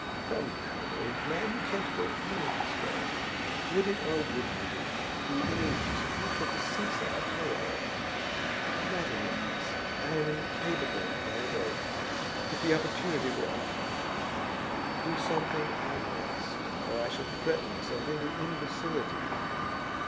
'Come, come, old man, you can't go on in this way. Would it, or wouldn't it, be any use if you took a seaside holiday?' 'Not the least. I am incapable of holiday, if the opportunity were offered. Do something I must, or I shall fret myself into imbecility.